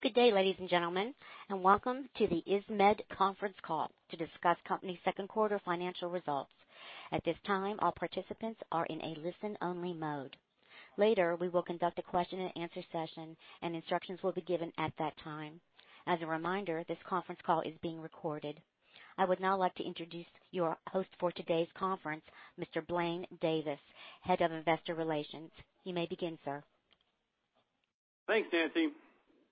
Good day, ladies and gentlemen, and welcome to the Insmed conference call to discuss company second quarter financial results. At this time, all participants are in a listen-only mode. Later, we will conduct a question and answer session, and instructions will be given at that time. As a reminder, this conference call is being recorded. I would now like to introduce your host for today's conference, Mr. Blaine Davis, Head of Investor Relations. You may begin, sir. Thanks, Nancy.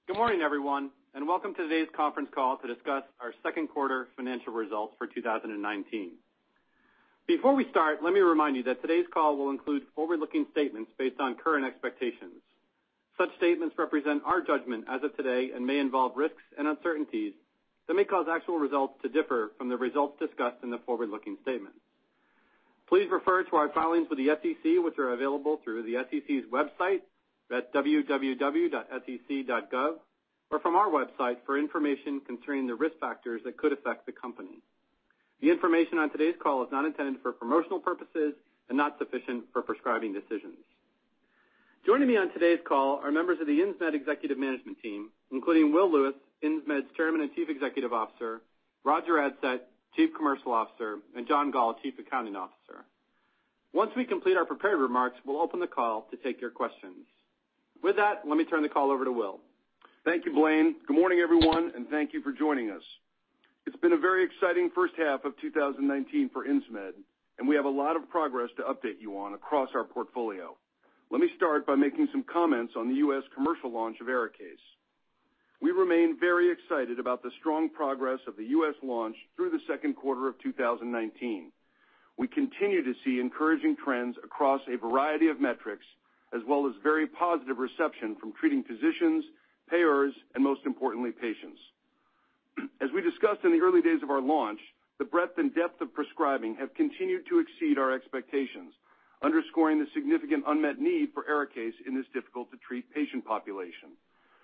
Good morning, everyone, welcome to today's conference call to discuss our second quarter financial results for 2019. Before we start, let me remind you that today's call will include forward-looking statements based on current expectations. Such statements represent our judgment as of today and may involve risks and uncertainties that may cause actual results to differ from the results discussed in the forward-looking statements. Please refer to our filings with the SEC, which are available through the SEC's website at www.sec.gov, or from our website for information concerning the risk factors that could affect the company. The information on today's call is not intended for promotional purposes and not sufficient for prescribing decisions. Joining me on today's call are members of the Insmed executive management team, including Will Lewis, Insmed's Chairman and Chief Executive Officer, Roger Adsett, Chief Commercial Officer, and John Goll, Chief Accounting Officer. Once we complete our prepared remarks, we'll open the call to take your questions. With that, let me turn the call over to Will. Thank you, Blaine. Good morning, everyone, and thank you for joining us. It's been a very exciting first half of 2019 for Insmed, and we have a lot of progress to update you on across our portfolio. Let me start by making some comments on the U.S. commercial launch of ARIKAYCE. We remain very excited about the strong progress of the U.S. launch through the second quarter of 2019. We continue to see encouraging trends across a variety of metrics, as well as very positive reception from treating physicians, payers, and most importantly, patients. As we discussed in the early days of our launch, the breadth and depth of prescribing have continued to exceed our expectations, underscoring the significant unmet need for ARIKAYCE in this difficult-to-treat patient population.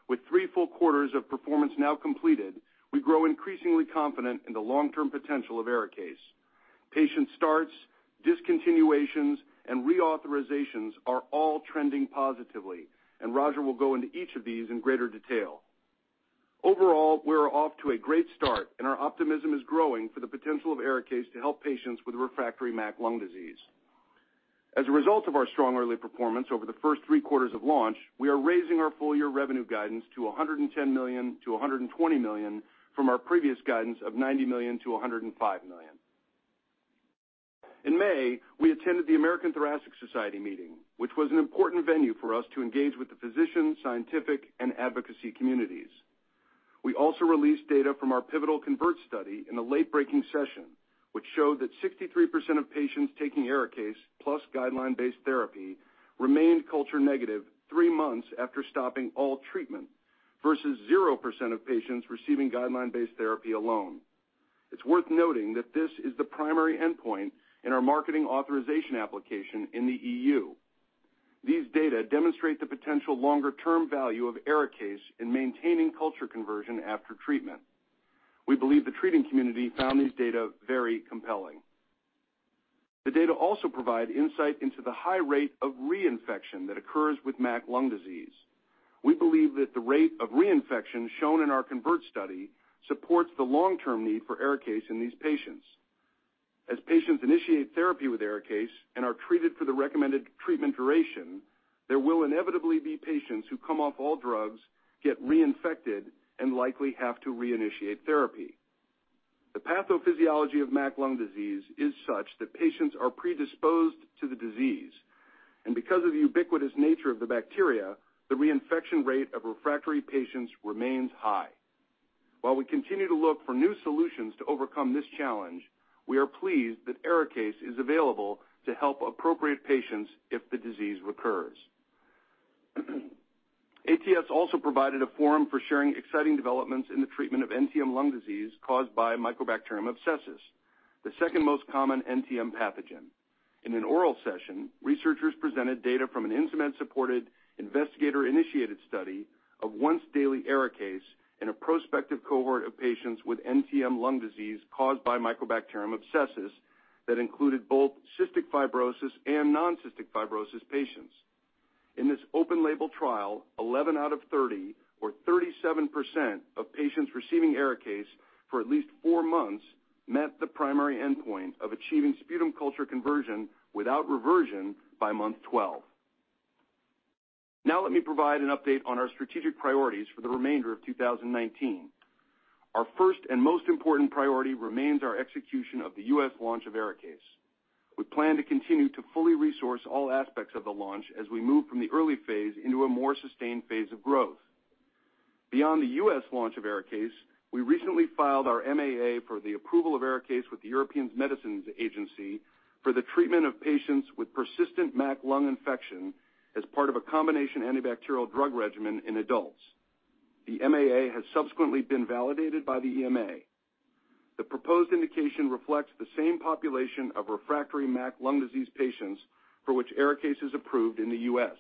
With three full quarters of performance now completed, we grow increasingly confident in the long-term potential of ARIKAYCE. Patient starts, discontinuations, and reauthorizations are all trending positively, and Roger will go into each of these in greater detail. Overall, we're off to a great start, and our optimism is growing for the potential of ARIKAYCE to help patients with refractory MAC lung disease. As a result of our strong early performance over the first three quarters of launch, we are raising our full-year revenue guidance to $110 million-$120 million from our previous guidance of $90 million-$105 million. In May, we attended the American Thoracic Society meeting, which was an important venue for us to engage with the physician, scientific, and advocacy communities. We also released data from our pivotal CONVERT study in the late-breaking session, which showed that 63% of patients taking ARIKAYCE plus guideline-based therapy remained culture negative three months after stopping all treatment versus 0% of patients receiving guideline-based therapy alone. It's worth noting that this is the primary endpoint in our Marketing Authorisation Application in the EU. These data demonstrate the potential longer-term value of ARIKAYCE in maintaining culture conversion after treatment. We believe the treating community found these data very compelling. The data also provide insight into the high rate of reinfection that occurs with MAC lung disease. We believe that the rate of reinfection shown in our CONVERT study supports the long-term need for ARIKAYCE in these patients. As patients initiate therapy with ARIKAYCE and are treated for the recommended treatment duration, there will inevitably be patients who come off all drugs, get reinfected, and likely have to reinitiate therapy. The pathophysiology of MAC lung disease is such that patients are predisposed to the disease, and because of the ubiquitous nature of the bacteria, the reinfection rate of refractory patients remains high. While we continue to look for new solutions to overcome this challenge, we are pleased that ARIKAYCE is available to help appropriate patients if the disease recurs. ATS also provided a forum for sharing exciting developments in the treatment of NTM lung disease caused by Mycobacterium abscessus, the second most common NTM pathogen. In an oral session, researchers presented data from an Insmed-supported investigator-initiated study of once-daily ARIKAYCE in a prospective cohort of patients with NTM lung disease caused by Mycobacterium abscessus that included both cystic fibrosis and non-cystic fibrosis patients. In this open-label trial, 11 out of 30, or 37%, of patients receiving ARIKAYCE for at least four months met the primary endpoint of achieving sputum culture conversion without reversion by month 12. Let me provide an update on our strategic priorities for the remainder of 2019. Our first and most important priority remains our execution of the U.S. launch of ARIKAYCE. We plan to continue to fully resource all aspects of the launch as we move from the early phase into a more sustained phase of growth. Beyond the U.S. launch of ARIKAYCE, we recently filed our MAA for the approval of ARIKAYCE with the European Medicines Agency for the treatment of patients with persistent MAC lung infection as part of a combination antibacterial drug regimen in adults. The MAA has subsequently been validated by the EMA. The proposed indication reflects the same population of refractory MAC lung disease patients for which ARIKAYCE is approved in the U.S.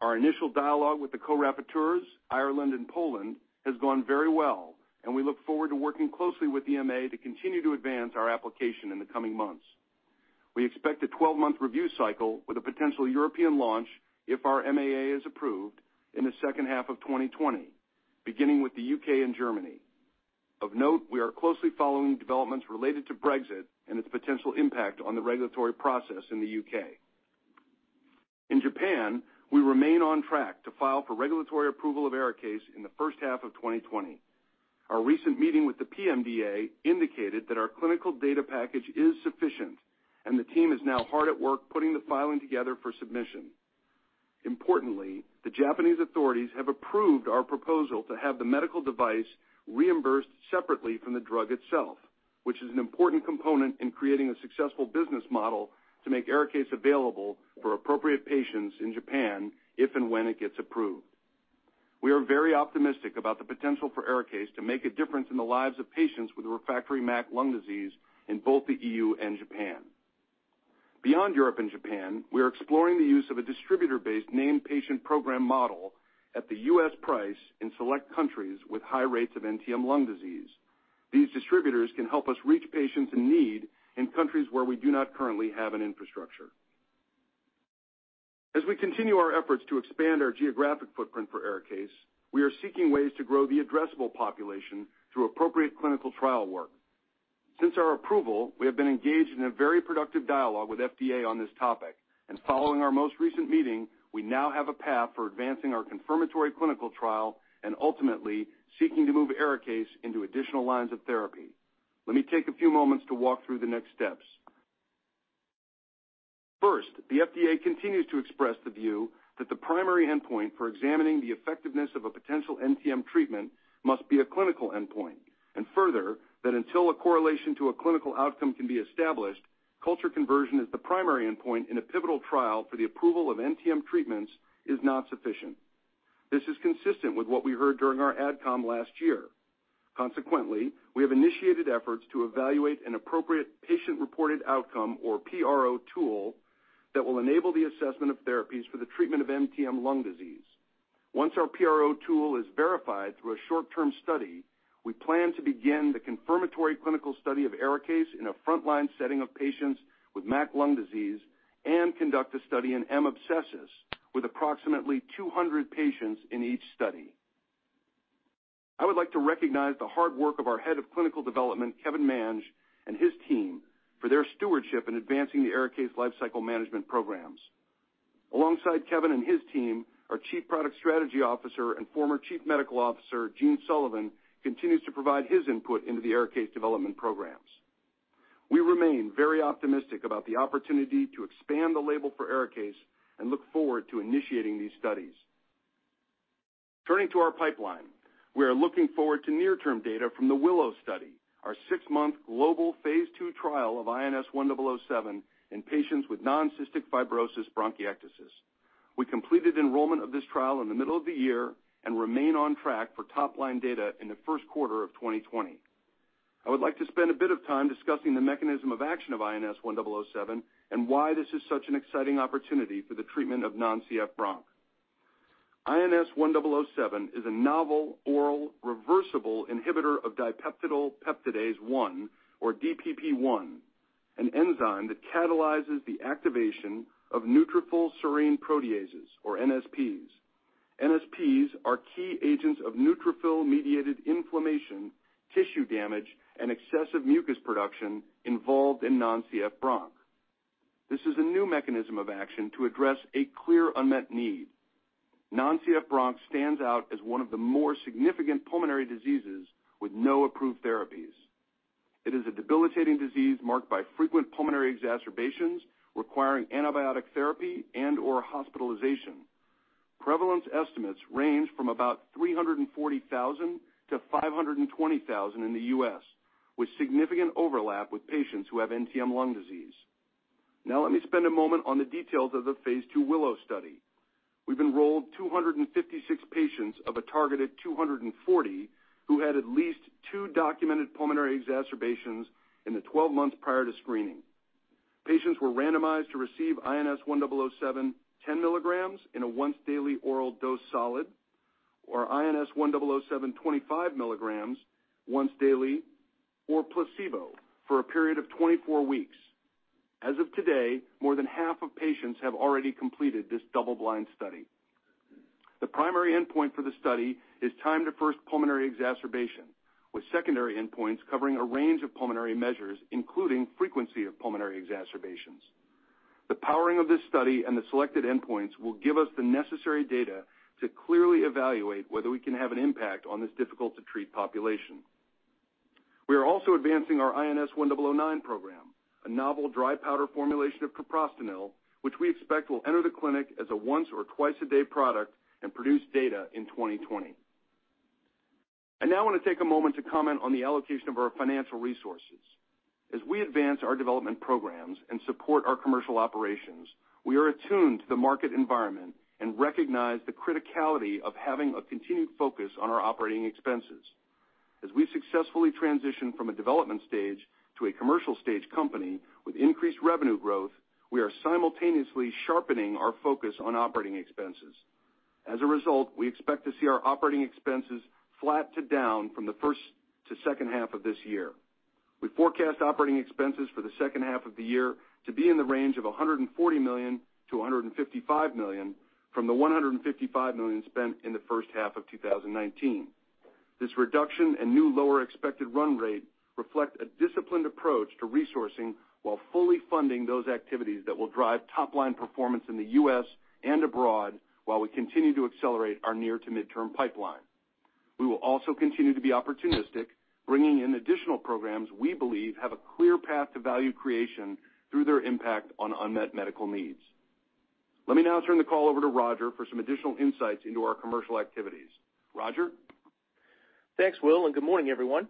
Our initial dialogue with the co-rapporteurs, Ireland and Poland, has gone very well, and we look forward to working closely with EMA to continue to advance our application in the coming months. We expect a 12-month review cycle with a potential European launch if our MAA is approved in the second half of 2020, beginning with the U.K. and Germany. Of note, we are closely following developments related to Brexit and its potential impact on the regulatory process in the U.K. In Japan, we remain on track to file for regulatory approval of ARIKAYCE in the first half of 2020. Our recent meeting with the PMDA indicated that our clinical data package is sufficient, and the team is now hard at work putting the filing together for submission. Importantly, the Japanese authorities have approved our proposal to have the medical device reimbursed separately from the drug itself, which is an important component in creating a successful business model to make ARIKAYCE available for appropriate patients in Japan if and when it gets approved. We are very optimistic about the potential for ARIKAYCE to make a difference in the lives of patients with refractory MAC lung disease in both the EU and Japan. Beyond Europe and Japan, we are exploring the use of a distributor-based named patient program model at the U.S. price in select countries with high rates of NTM lung disease. These distributors can help us reach patients in need in countries where we do not currently have an infrastructure. As we continue our efforts to expand our geographic footprint for ARIKAYCE, we are seeking ways to grow the addressable population through appropriate clinical trial work. Since our approval, we have been engaged in a very productive dialogue with FDA on this topic, and following our most recent meeting, we now have a path for advancing our confirmatory clinical trial and ultimately seeking to move ARIKAYCE into additional lines of therapy. Let me take a few moments to walk through the next steps. First, the FDA continues to express the view that the primary endpoint for examining the effectiveness of a potential NTM treatment must be a clinical endpoint, and further, that until a correlation to a clinical outcome can be established, culture conversion as the primary endpoint in a pivotal trial for the approval of NTM treatments is not sufficient. This is consistent with what we heard during our AdCom last year. Consequently, we have initiated efforts to evaluate an appropriate patient-reported outcome or PRO tool that will enable the assessment of therapies for the treatment of NTM lung disease. Once our PRO tool is verified through a short-term study, we plan to begin the confirmatory clinical study of ARIKAYCE in a frontline setting of patients with MAC lung disease and conduct a study in M. abscessus with approximately 200 patients in each study. I would like to recognize the hard work of our Head of Clinical Development, Kevin Mang, and his team for their stewardship in advancing the ARIKAYCE lifecycle management programs. Alongside Kevin and his team, our Chief Product Strategy Officer and former Chief Medical Officer, Gene Sullivan, continues to provide his input into the ARIKAYCE development programs. We remain very optimistic about the opportunity to expand the label for ARIKAYCE and look forward to initiating these studies. Turning to our pipeline, we are looking forward to near-term data from the WILLOW study, our six-month global phase II trial of INS1007 in patients with non-cystic fibrosis bronchiectasis. We completed enrollment of this trial in the middle of the year and remain on track for top-line data in the first quarter of 2020. I would like to spend a bit of time discussing the mechanism of action of INS1007 and why this is such an exciting opportunity for the treatment of non-CF bronchiectasis. INS1007 is a novel oral reversible inhibitor of dipeptidyl peptidase-1, or DPP1, an enzyme that catalyzes the activation of neutrophil serine proteases, or NSPs. NSPs are key agents of neutrophil-mediated inflammation, tissue damage, and excessive mucus production involved in non-CF bronchiectasis. This is a new mechanism of action to address a clear unmet need. Non-CF bronchiectasis stands out as one of the more significant pulmonary diseases with no approved therapies. It is a debilitating disease marked by frequent pulmonary exacerbations requiring antibiotic therapy and/or hospitalization. Prevalence estimates range from about 340,000 to 520,000 in the U.S., with significant overlap with patients who have NTM lung disease. Now let me spend a moment on the details of the phase II WILLOW study. We've enrolled 256 patients of a targeted 240 who had at least two documented pulmonary exacerbations in the 12 months prior to screening. Patients were randomized to receive INS1007 10 milligrams in a once-daily oral dose solid or INS1007 25 milligrams once daily or placebo for a period of 24 weeks. As of today, more than half of patients have already completed this double-blind study. The primary endpoint for the study is time to first pulmonary exacerbation, with secondary endpoints covering a range of pulmonary measures, including frequency of pulmonary exacerbations. The powering of this study and the selected endpoints will give us the necessary data to clearly evaluate whether we can have an impact on this difficult-to-treat population. We are also advancing our INS1009 program, a novel dry powder formulation of treprostinil, which we expect will enter the clinic as a once or twice-a-day product and produce data in 2020. I now want to take a moment to comment on the allocation of our financial resources. As we advance our development programs and support our commercial operations, we are attuned to the market environment and recognize the criticality of having a continued focus on our operating expenses. As we successfully transition from a development stage to a commercial stage company with increased revenue growth, we are simultaneously sharpening our focus on operating expenses. As a result, we expect to see our operating expenses flat to down from the first to second half of this year. We forecast operating expenses for the second half of the year to be in the range of $140 million-$155 million from the $155 million spent in the first half of 2019. This reduction and new lower expected run rate reflect a disciplined approach to resourcing while fully funding those activities that will drive top-line performance in the U.S. and abroad while we continue to accelerate our near to midterm pipeline. We will also continue to be opportunistic, bringing in additional programs we believe have a clear path to value creation through their impact on unmet medical needs. Let me now turn the call over to Roger for some additional insights into our commercial activities. Roger? Thanks, Will, and good morning, everyone.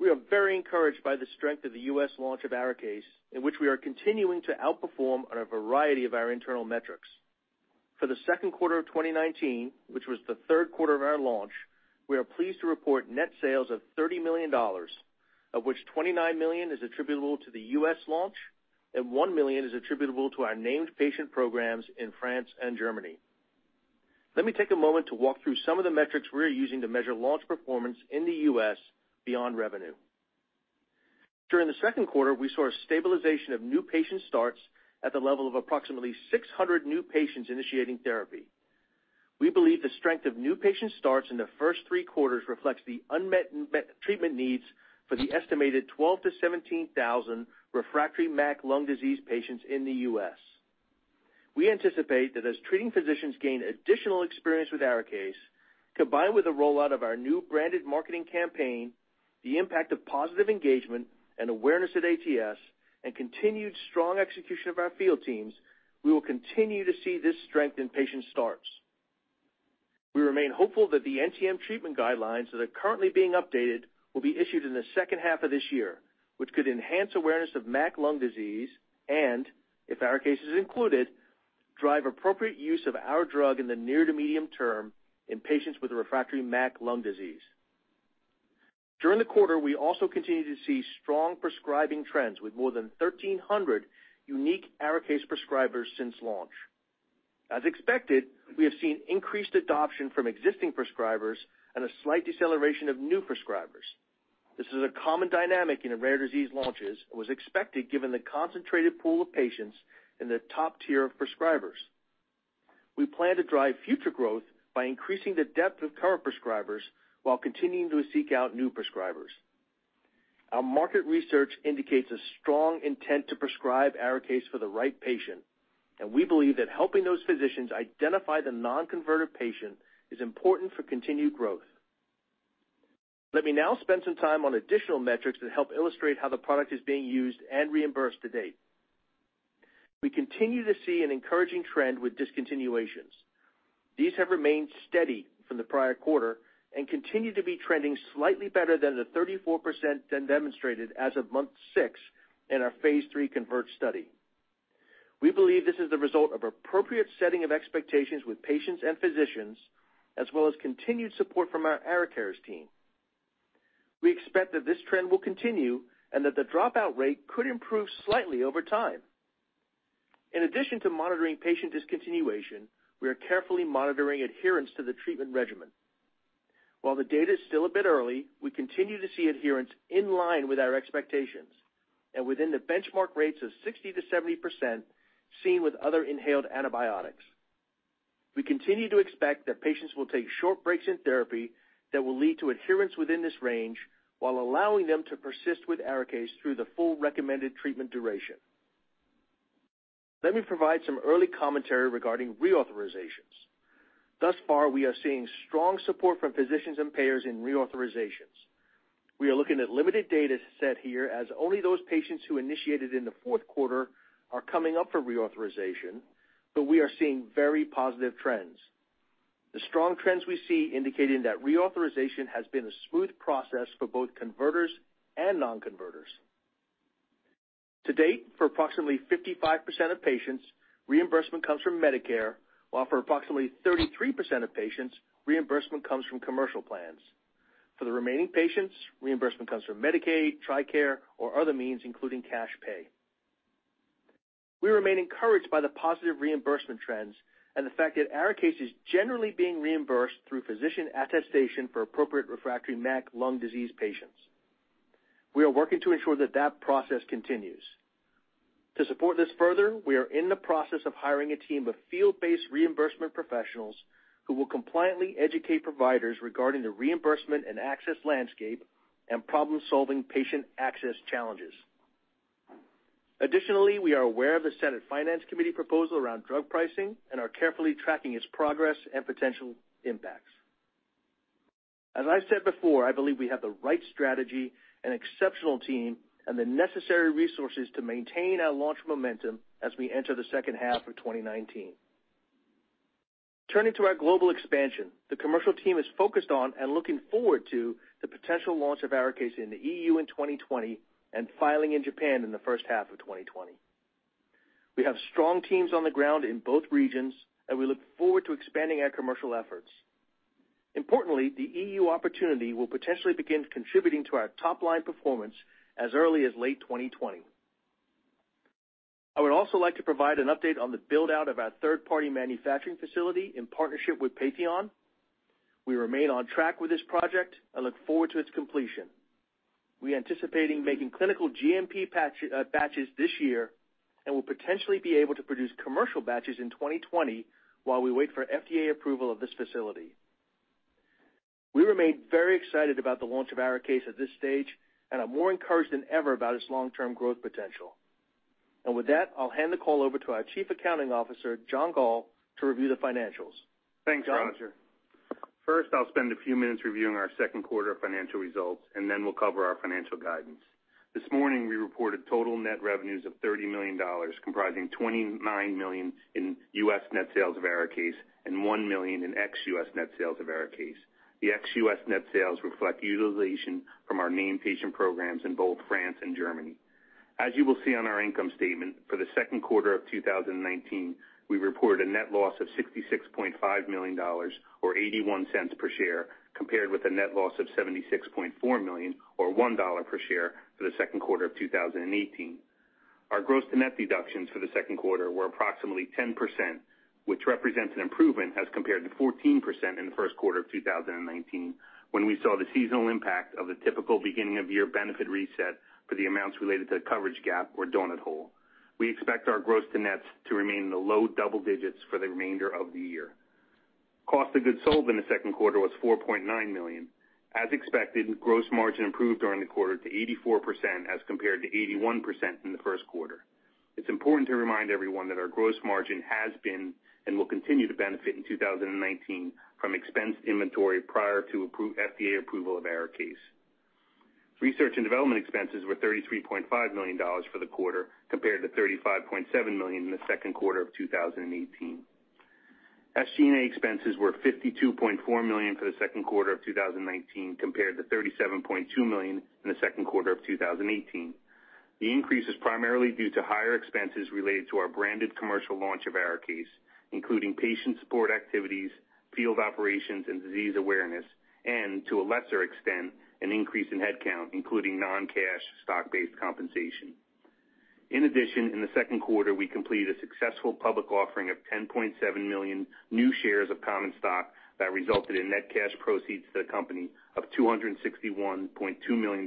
We are very encouraged by the strength of the U.S. launch of ARIKAYCE, in which we are continuing to outperform on a variety of our internal metrics. For the second quarter of 2019, which was the third quarter of our launch, we are pleased to report net sales of $30 million, of which $29 million is attributable to the U.S. launch and $1 million is attributable to our named patient programs in France and Germany. Let me take a moment to walk through some of the metrics we're using to measure launch performance in the U.S. beyond revenue. During the second quarter, we saw a stabilization of new patient starts at the level of approximately 600 new patients initiating therapy. We believe the strength of new patient starts in the first three quarters reflects the unmet treatment needs for the estimated 12,000 to 17,000 refractory MAC lung disease patients in the U.S. We anticipate that as treating physicians gain additional experience with ARIKAYCE, combined with the rollout of our new branded marketing campaign, the impact of positive engagement and awareness at ATS, and continued strong execution of our field teams, we will continue to see this strength in patient starts. We remain hopeful that the NTM treatment guidelines that are currently being updated will be issued in the second half of this year, which could enhance awareness of MAC lung disease and, if ARIKAYCE is included, drive appropriate use of our drug in the near to medium term in patients with refractory MAC lung disease. During the quarter, we also continued to see strong prescribing trends with more than 1,300 unique ARIKAYCE prescribers since launch. As expected, we have seen increased adoption from existing prescribers and a slight deceleration of new prescribers. This is a common dynamic in rare disease launches and was expected given the concentrated pool of patients in the top tier of prescribers. We plan to drive future growth by increasing the depth of current prescribers while continuing to seek out new prescribers. Our market research indicates a strong intent to prescribe ARIKAYCE for the right patient, and we believe that helping those physicians identify the non-converter patient is important for continued growth. Let me now spend some time on additional metrics that help illustrate how the product is being used and reimbursed to date. We continue to see an encouraging trend with discontinuations. These have remained steady from the prior quarter and continue to be trending slightly better than the 34% demonstrated as of month 6 in our phase III CONVERT study. We believe this is the result of appropriate setting of expectations with patients and physicians, as well as continued support from our ARIKARES team. We expect that this trend will continue and that the dropout rate could improve slightly over time. In addition to monitoring patient discontinuation, we are carefully monitoring adherence to the treatment regimen. While the data is still a bit early, we continue to see adherence in line with our expectations and within the benchmark rates of 60%-70% seen with other inhaled antibiotics. We continue to expect that patients will take short breaks in therapy that will lead to adherence within this range while allowing them to persist with ARIKAYCE through the full recommended treatment duration. Let me provide some early commentary regarding reauthorizations. Thus far, we are seeing strong support from physicians and payers in reauthorizations. We are looking at limited data set here as only those patients who initiated in the fourth quarter are coming up for reauthorization, but we are seeing very positive trends. The strong trends we see indicating that reauthorization has been a smooth process for both converters and non-converters. To date, for approximately 55% of patients, reimbursement comes from Medicare, while for approximately 33% of patients, reimbursement comes from commercial plans. For the remaining patients, reimbursement comes from Medicaid, TRICARE, or other means, including cash pay. We remain encouraged by the positive reimbursement trends and the fact that ARIKAYCE is generally being reimbursed through physician attestation for appropriate refractory MAC lung disease patients. We are working to ensure that process continues. To support this further, we are in the process of hiring a team of field-based reimbursement professionals who will compliantly educate providers regarding the reimbursement and access landscape and problem-solving patient access challenges. Additionally, we are aware of the Senate Finance Committee proposal around drug pricing and are carefully tracking its progress and potential impacts. As I've said before, I believe we have the right strategy and exceptional team and the necessary resources to maintain our launch momentum as we enter the second half of 2019. Turning to our global expansion, the commercial team is focused on and looking forward to the potential launch of ARIKAYCE in the EU in 2020 and filing in Japan in the first half of 2020. We have strong teams on the ground in both regions, and we look forward to expanding our commercial efforts. Importantly, the EU opportunity will potentially begin contributing to our top-line performance as early as late 2020. I would also like to provide an update on the build-out of our third-party manufacturing facility in partnership with Patheon. We remain on track with this project and look forward to its completion. We're anticipating making clinical GMP batches this year and will potentially be able to produce commercial batches in 2020 while we wait for FDA approval of this facility. We remain very excited about the launch of ARIKAYCE at this stage and are more encouraged than ever about its long-term growth potential. With that, I'll hand the call over to our Chief Accounting Officer, John Goll, to review the financials. John. Thanks, Roger. First, I'll spend a few minutes reviewing our second quarter financial results, and then we'll cover our financial guidance. This morning, we reported total net revenues of $30 million, comprising $29 million in U.S. net sales of ARIKAYCE and $1 million in ex-U.S. net sales of ARIKAYCE. The ex-U.S. net sales reflect utilization from our named patient programs in both France and Germany. As you will see on our income statement, for the second quarter of 2019, we reported a net loss of $66.5 million, or $0.81 per share, compared with a net loss of $76.4 million or $1 per share for the second quarter of 2018. Our gross to net deductions for the second quarter were approximately 10%, which represents an improvement as compared to 14% in the first quarter of 2019, when we saw the seasonal impact of the typical beginning of year benefit reset for the amounts related to the coverage gap or donut hole. We expect our gross to nets to remain in the low double digits for the remainder of the year. Cost of goods sold in the second quarter was $4.9 million. As expected, gross margin improved during the quarter to 84% as compared to 81% in the first quarter. It's important to remind everyone that our gross margin has been and will continue to benefit in 2019 from expensed inventory prior to FDA approval of ARIKAYCE. Research and development expenses were $33.5 million for the quarter, compared to $35.7 million in the second quarter of 2018. SG&A expenses were $52.4 million for the second quarter of 2019, compared to $37.2 million in the second quarter of 2018. The increase is primarily due to higher expenses related to our branded commercial launch of ARIKAYCE, including patient support activities, field operations, and disease awareness, and, to a lesser extent, an increase in headcount, including non-cash stock-based compensation. In addition, in the second quarter, we completed a successful public offering of 10.7 million new shares of common stock that resulted in net cash proceeds to the company of $261.2 million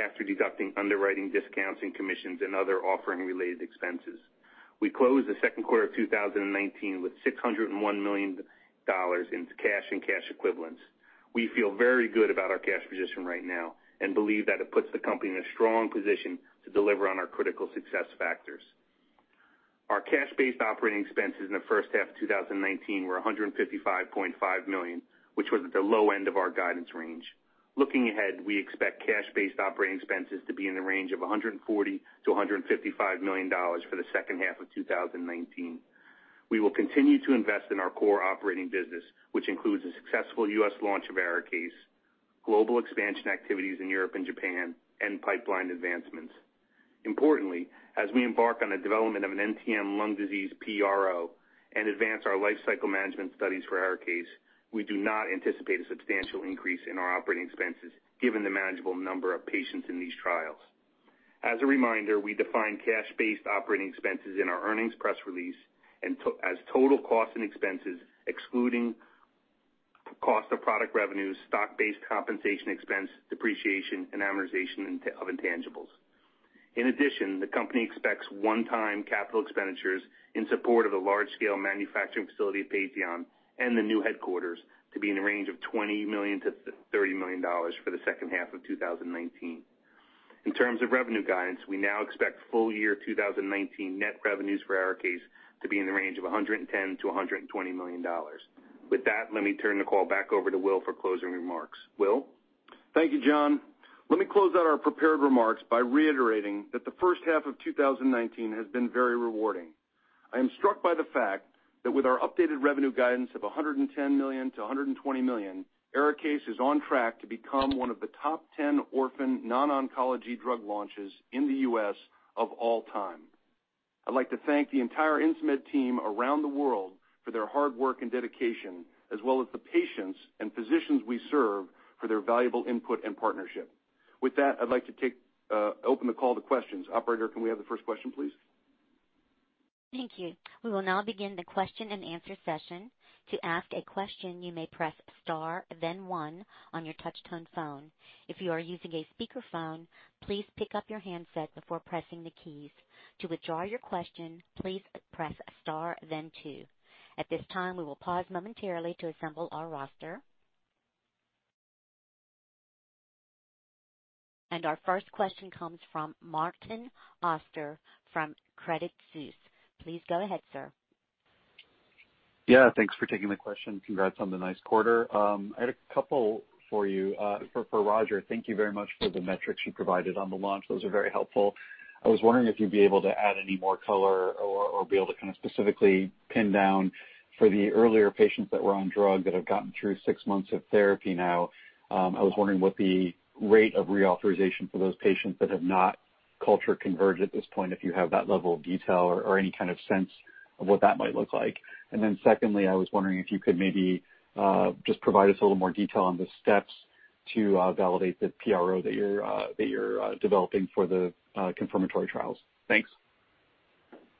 after deducting underwriting discounts and commissions and other offering related expenses. We closed the second quarter of 2019 with $601 million in cash and cash equivalents. We feel very good about our cash position right now and believe that it puts the company in a strong position to deliver on our critical success factors. Our cash-based operating expenses in the first half of 2019 were $155.5 million, which was at the low end of our guidance range. Looking ahead, we expect cash-based operating expenses to be in the range of $140 million-$155 million for the second half of 2019. We will continue to invest in our core operating business, which includes a successful U.S. launch of ARIKAYCE, global expansion activities in Europe and Japan, and pipeline advancements. Importantly, as we embark on the development of an NTM lung disease PRO and advance our lifecycle management studies for ARIKAYCE, we do not anticipate a substantial increase in our operating expenses given the manageable number of patients in these trials. As a reminder, we define cash-based operating expenses in our earnings press release as total costs and expenses excluding cost of product revenues, stock-based compensation expense, depreciation, and amortization of intangibles. In addition, the company expects one-time capital expenditures in support of the large-scale manufacturing facility at Patheon and the new headquarters to be in the range of $20 million-$30 million for the second half of 2019. In terms of revenue guidance, we now expect full year 2019 net revenues for ARIKAYCE to be in the range of $110 million-$120 million. With that, let me turn the call back over to Will for closing remarks. Will? Thank you, John. Let me close out our prepared remarks by reiterating that the first half of 2019 has been very rewarding. I am struck by the fact that with our updated revenue guidance of $110 million-$120 million, ARIKAYCE is on track to become one of the top 10 orphan non-oncology drug launches in the U.S. of all time. I'd like to thank the entire Insmed team around the world for their hard work and dedication, as well as the patients and physicians we serve for their valuable input and partnership. With that, I'd like to open the call to questions. Operator, can we have the first question, please? Thank you. We will now begin the question and answer session. To ask a question, you may press star then one on your touch-tone phone. If you are using a speakerphone, please pick up your handset before pressing the keys. To withdraw your question, please press star then two. At this time, we will pause momentarily to assemble our roster. Our first question comes from Martin Auster from Credit Suisse. Please go ahead, sir. Yeah, Thanks for taking the question. Congrats on the nice quarter. I had a couple for you. For Roger, thank you very much for the metrics you provided on the launch. Those are very helpful. I was wondering if you'd be able to add any more color or be able to specifically pin down for the earlier patients that were on drug that have gotten through six months of therapy now, I was wondering what the rate of reauthorization for those patients that have not culture converged at this point, if you have that level of detail or any kind of sense of what that might look like. Secondly, I was wondering if you could maybe just provide us a little more detail on the steps to validate the PRO that you're developing for the confirmatory trials. Thanks.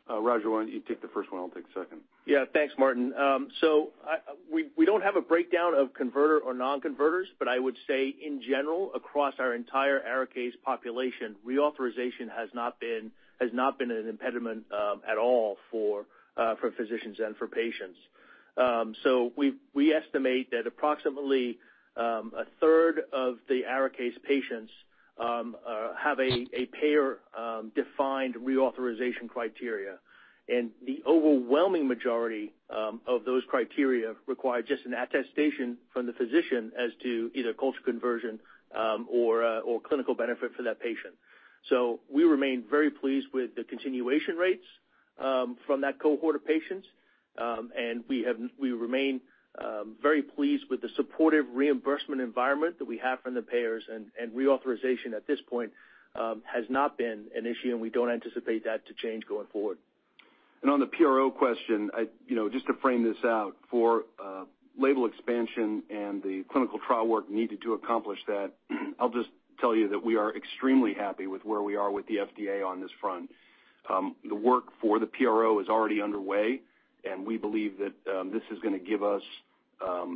Roger, why don't you take the first one? I'll take the second. Thanks, Martin. We don't have a breakdown of converter or non-converters, but I would say, in general, across our entire ARIKAYCE population, reauthorization has not been an impediment at all for physicians and for patients. We estimate that approximately a third of the ARIKAYCE patients have a payer-defined reauthorization criteria. The overwhelming majority of those criteria require just an attestation from the physician as to either culture conversion or clinical benefit for that patient. We remain very pleased with the continuation rates from that cohort of patients. We remain very pleased with the supportive reimbursement environment that we have from the payers, reauthorization at this point has not been an issue, and we don't anticipate that to change going forward. On the PRO question, just to frame this out, for label expansion and the clinical trial work needed to accomplish that, I'll just tell you that we are extremely happy with where we are with the FDA on this front. The work for the PRO is already underway, and we believe that this is going to give us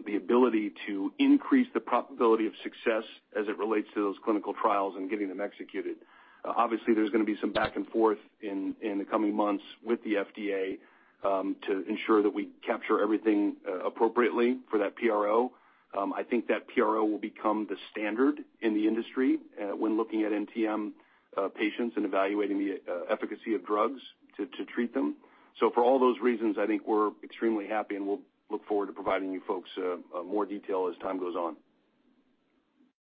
the ability to increase the probability of success as it relates to those clinical trials and getting them executed. Obviously, there's going to be some back and forth in the coming months with the FDA to ensure that we capture everything appropriately for that PRO. I think that PRO will become the standard in the industry when looking at NTM patients and evaluating the efficacy of drugs to treat them. For all those reasons, I think we're extremely happy, and we'll look forward to providing you folks more detail as time goes on.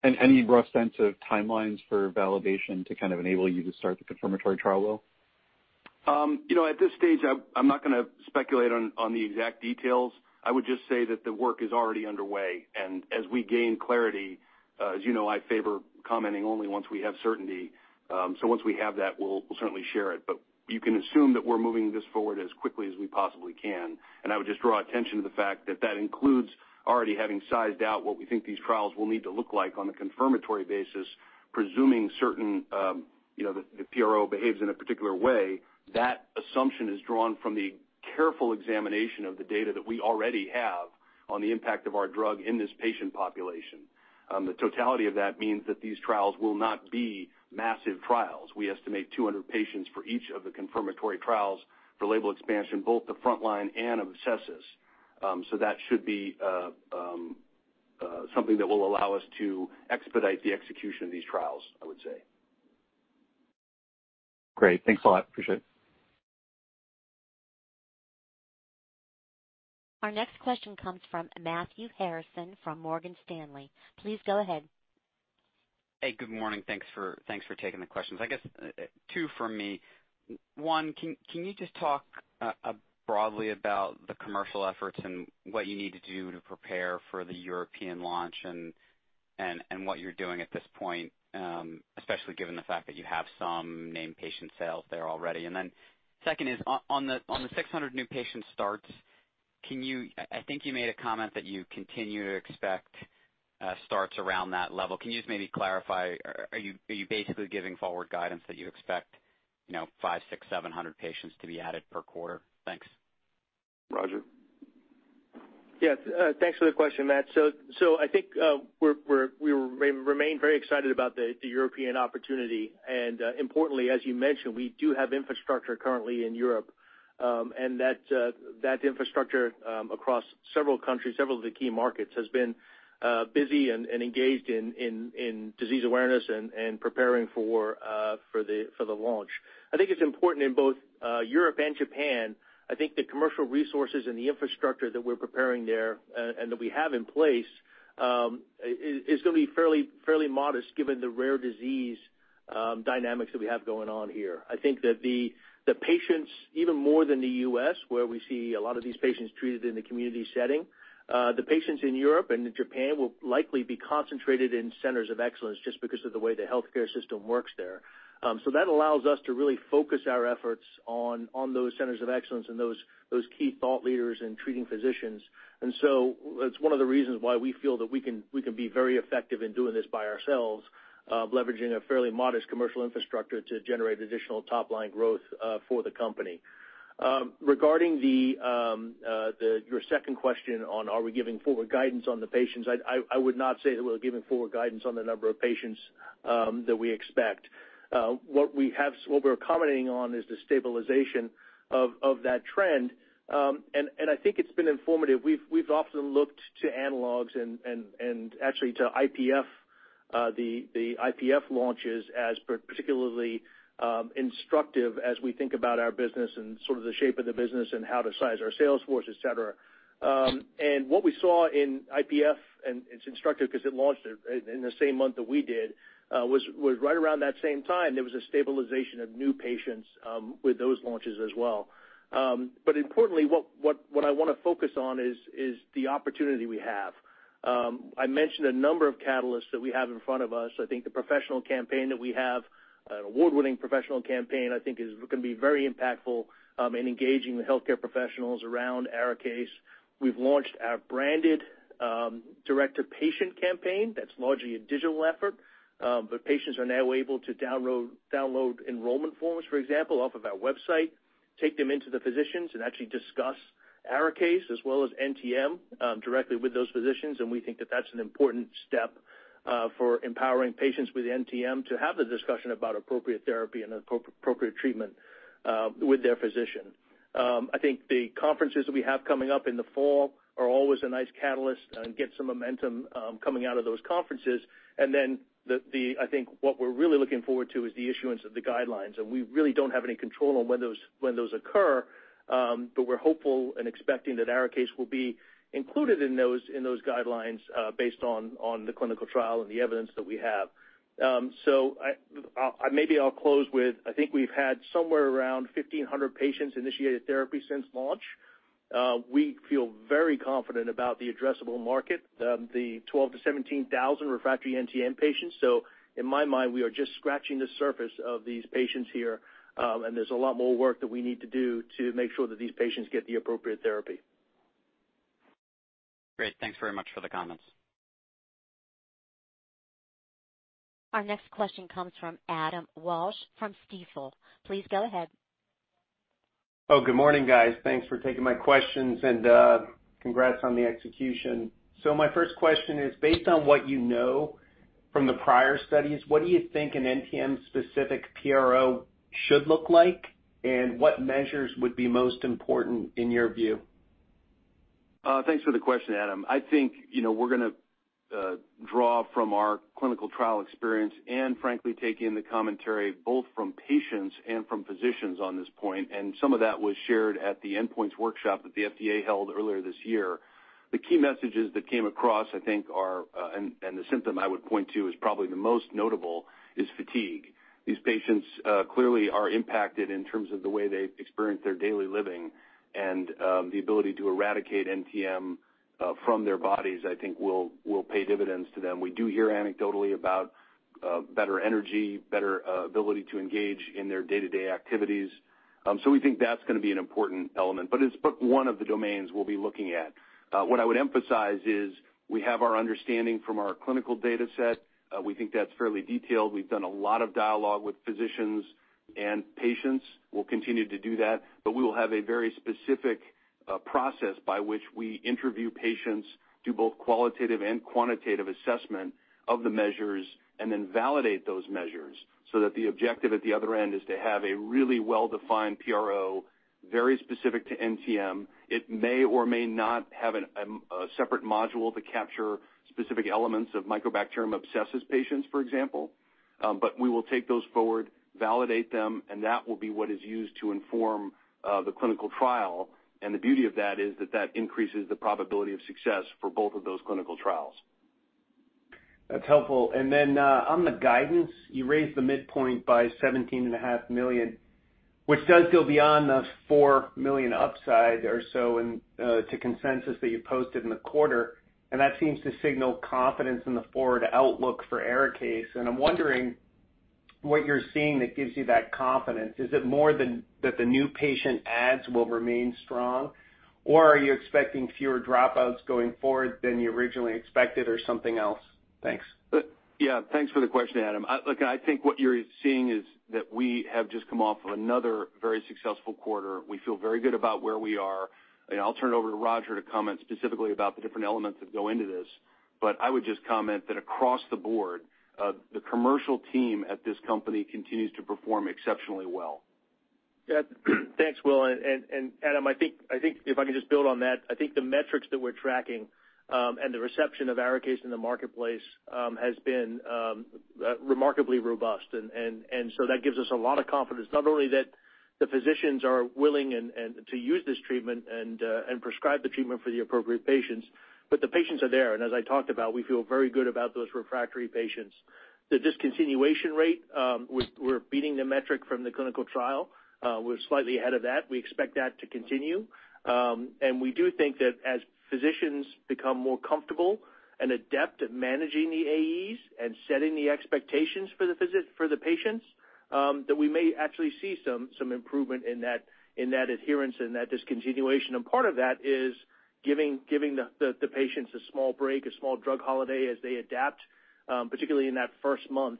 Any rough sense of timelines for validation to enable you to start the confirmatory trial, Will? At this stage, I'm not going to speculate on the exact details. I would just say that the work is already underway, as we gain clarity, as you know, I favor commenting only once we have certainty. Once we have that, we'll certainly share it. You can assume that we're moving this forward as quickly as we possibly can. I would just draw attention to the fact that that includes already having sized out what we think these trials will need to look like on a confirmatory basis, presuming certain the PRO behaves in a particular way. That assumption is drawn from the careful examination of the data that we already have on the impact of our drug in this patient population. The totality of that means that these trials will not be massive trials. We estimate 200 patients for each of the confirmatory trials for label expansion, both the frontline and M. abscessus. That should be something that will allow us to expedite the execution of these trials, I would say. Great. Thanks a lot. Appreciate it. Our next question comes from Matthew Harrison from Morgan Stanley. Please go ahead. Hey, good morning. Thanks for taking the questions. I guess two from me. One, can you just talk broadly about the commercial efforts and what you need to do to prepare for the European launch and what you're doing at this point, especially given the fact that you have some named patient sales there already? Second is on the 600 new patient starts, I think you made a comment that you continue to expect starts around that level. Can you just maybe clarify? Are you basically giving forward guidance that you expect five, six, 700 patients to be added per quarter? Thanks. Roger. Yes. Thanks for the question, Matt. I think we remain very excited about the European opportunity. Importantly, as you mentioned, we do have infrastructure currently in Europe. That infrastructure across several countries, several of the key markets, has been busy and engaged in disease awareness and preparing for the launch. I think it's important in both Europe and Japan. I think the commercial resources and the infrastructure that we're preparing there and that we have in place is going to be fairly modest given the rare disease dynamics that we have going on here. I think that the patients, even more than the U.S., where we see a lot of these patients treated in the community setting, the patients in Europe and in Japan will likely be concentrated in centers of excellence just because of the way the healthcare system works there. That allows us to really focus our efforts on those centers of excellence and those key thought leaders and treating physicians. That's one of the reasons why we feel that we can be very effective in doing this by ourselves, leveraging a fairly modest commercial infrastructure to generate additional top-line growth for the company. Regarding your second question on are we giving forward guidance on the patients, I would not say that we're giving forward guidance on the number of patients that we expect. What we're commenting on is the stabilization of that trend. I think it's been informative. We've often looked to analogs and actually to the IPF launches as particularly instructive as we think about our business and sort of the shape of the business how to size our sales force, et cetera. What we saw in IPF, and it's instructive because it launched in the same month that we did was right around that same time, there was a stabilization of new patients with those launches as well. Importantly, what I want to focus on is the opportunity we have. I mentioned a number of catalysts that we have in front of us. I think the professional campaign that we have, an award-winning professional campaign, I think is going to be very impactful in engaging the healthcare professionals around ARIKAYCE. We've launched our branded direct-to-patient campaign that's largely a digital effort. Patients are now able to download enrollment forms, for example, off of our website, take them into the physicians, and actually discuss ARIKAYCE as well as NTM directly with those physicians. We think that that's an important step for empowering patients with NTM to have the discussion about appropriate therapy and appropriate treatment with their physician. I think the conferences that we have coming up in the fall are always a nice catalyst and get some momentum coming out of those conferences. I think what we're really looking forward to is the issuance of the guidelines. We really don't have any control on when those occur, but we're hopeful and expecting that ARIKAYCE will be included in those guidelines based on the clinical trial and the evidence that we have. Maybe I'll close with, I think we've had somewhere around 1,500 patients initiated therapy since launch. We feel very confident about the addressable market, the 12,000 to 17,000 refractory NTM patients. In my mind, we are just scratching the surface of these patients here, and there's a lot more work that we need to do to make sure that these patients get the appropriate therapy. Great. Thanks very much for the comments. Our next question comes from Adam Walsh from Stifel. Please go ahead. Oh, good morning, guys. Thanks for taking my questions and congrats on the execution. My first question is, based on what you know from the prior studies, what do you think an NTM-specific PRO should look like, and what measures would be most important in your view? Thanks for the question, Adam. I think we're going to draw from our clinical trial experience and frankly, take in the commentary both from patients and from physicians on this point. Some of that was shared at the endpoints workshop that the FDA held earlier this year. The key messages that came across, I think, and the symptom I would point to is probably the most notable is fatigue. These patients clearly are impacted in terms of the way they experience their daily living and the ability to eradicate NTM from their bodies, I think will pay dividends to them. We do hear anecdotally about better energy, better ability to engage in their day-to-day activities. We think that's going to be an important element, but it's but one of the domains we'll be looking at. What I would emphasize is we have our understanding from our clinical data set. We think that's fairly detailed. We've done a lot of dialogue with physicians and patients. We'll continue to do that. We will have a very specific process by which we interview patients, do both qualitative and quantitative assessment of the measures, and then validate those measures so that the objective at the other end is to have a really well-defined PRO, very specific to NTM. It may or may not have a separate module to capture specific elements of Mycobacterium abscessus patients, for example. We will take those forward, validate them, and that will be what is used to inform the clinical trial. The beauty of that is that increases the probability of success for both of those clinical trials. That's helpful. Then on the guidance, you raised the midpoint by $17.5 million, which does go beyond the $4 million upside or so to consensus that you posted in the quarter. That seems to signal confidence in the forward outlook for ARIKAYCE. I'm wondering what you're seeing that gives you that confidence. Is it more that the new patient adds will remain strong, or are you expecting fewer dropouts going forward than you originally expected or something else? Thanks. Yeah. Thanks for the question, Adam. Look, I think what you're seeing is that we have just come off of another very successful quarter. We feel very good about where we are. I'll turn it over to Roger to comment specifically about the different elements that go into this. I would just comment that across the board, the commercial team at this company continues to perform exceptionally well. Thanks, Will. Adam, I think if I can just build on that, I think the metrics that we're tracking and the reception of ARIKAYCE in the marketplace has been remarkably robust. That gives us a lot of confidence, not only that the physicians are willing to use this treatment and prescribe the treatment for the appropriate patients, but the patients are there. As I talked about, we feel very good about those refractory patients. The discontinuation rate, we're beating the metric from the clinical trial. We're slightly ahead of that. We expect that to continue. We do think that as physicians become more comfortable and adept at managing the AEs and setting the expectations for the patients, that we may actually see some improvement in that adherence and that discontinuation. Part of that is giving the patients a small break, a small drug holiday as they adapt, particularly in that first month.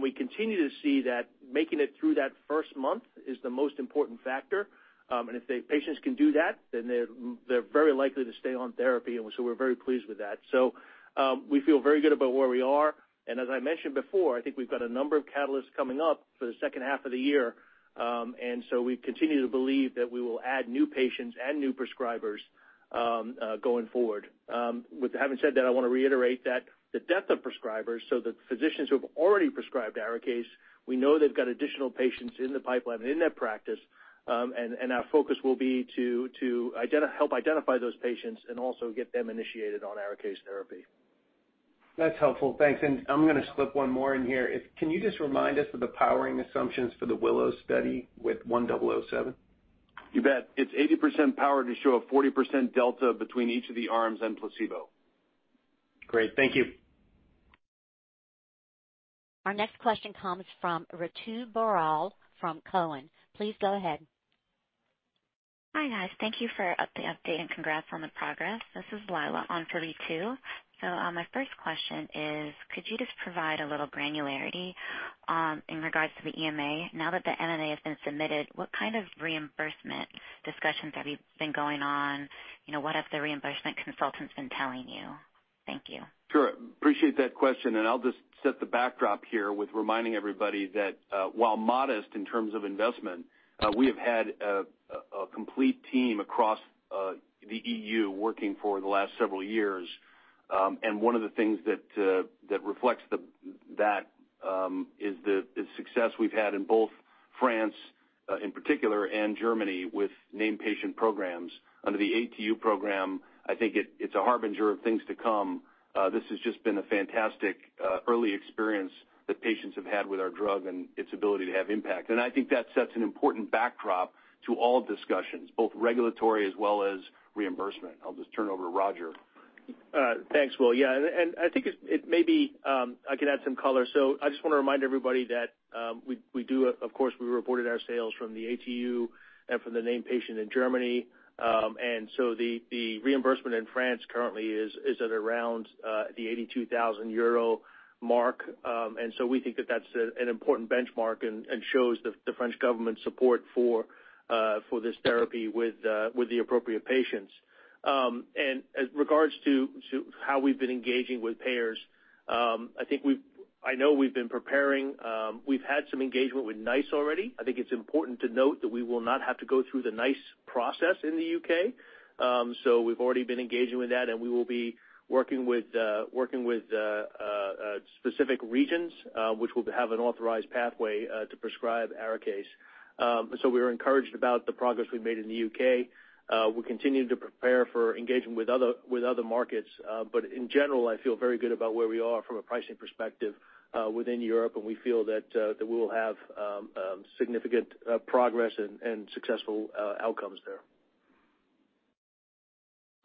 We continue to see that making it through that first month is the most important factor. If the patients can do that, then they're very likely to stay on therapy, we're very pleased with that. We feel very good about where we are. As I mentioned before, I think we've got a number of catalysts coming up for the second half of the year. We continue to believe that we will add new patients and new prescribers going forward. With having said that, I want to reiterate that the depth of prescribers, so the physicians who have already prescribed ARIKAYCE, we know they've got additional patients in the pipeline and in their practice, and our focus will be to help identify those patients and also get them initiated on ARIKAYCE therapy. That's helpful. Thanks. I'm going to slip one more in here. Can you just remind us of the powering assumptions for the WILLOW study with 1007? You bet. It's 80% power to show a 40% delta between each of the arms and placebo. Great. Thank you. Our next question comes from Ritu Baral from Cowen. Please go ahead. Hi, guys. Thank you for the update and congrats on the progress. This is Lila on for Ritu. My first question is, could you just provide a little granularity in regards to the EMA? Now that the MAA has been submitted, what kind of reimbursement discussions have you been going on? What have the reimbursement consultants been telling you? Thank you. Sure. Appreciate that question. I'll just set the backdrop here with reminding everybody that while modest in terms of investment, we have had a complete team across the EU working for the last several years. One of the things that reflects that is the success we've had in both France in particular and Germany with named patient programs under the ATU program. I think it's a harbinger of things to come. This has just been a fantastic early experience that patients have had with our drug and its ability to have impact. I think that sets an important backdrop to all discussions, both regulatory as well as reimbursement. I'll just turn it over to Roger. Thanks, Will. I think maybe I can add some color. I just want to remind everybody that we do, of course, we reported our sales from the ATU and from the named patient in Germany. The reimbursement in France currently is at around the 82,000 euro mark. We think that that's an important benchmark and shows the French government's support for this therapy with the appropriate patients. As regards to how we've been engaging with payers, I know we've been preparing. We've had some engagement with NICE already. I think it's important to note that we will not have to go through the NICE process in the U.K. We've already been engaging with that, and we will be working with specific regions which will have an authorized pathway to prescribe ARIKAYCE. We're encouraged about the progress we've made in the U.K. We're continuing to prepare for engagement with other markets. In general, I feel very good about where we are from a pricing perspective within Europe, and we feel that we will have significant progress and successful outcomes there.